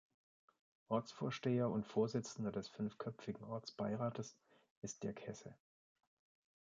Ortsvorsteher und Vorsitzender des fünfköpfigen Ortsbeirates ist Dirk Hesse.